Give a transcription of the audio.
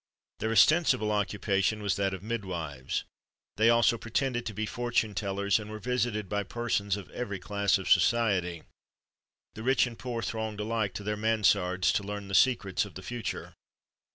Their ostensible occupation was that of midwives. They also pretended to be fortune tellers, and were visited by persons of every class of society. The rich and poor thronged alike to their mansardes to learn the secrets of the future.